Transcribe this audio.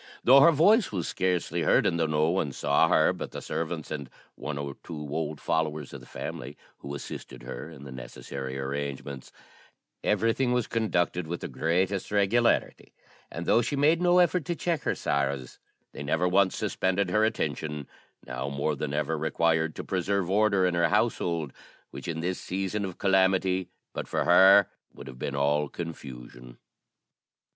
Though her voice was scarcely heard, and though no one saw her but the servants and one or two old followers of the family, who assisted her in the necessary arrangements, everything was conducted with the greatest regularity; and though she made no effort to check her sorrows they never once suspended her attention, now more than ever required to preserve order in her household, which, in this season of calamity, but for her would have been all confusion.